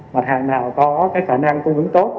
mặt hàng nào có khả năng cung ứng tốt